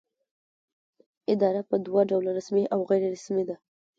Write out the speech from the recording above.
اداره په دوه ډوله رسمي او غیر رسمي ده.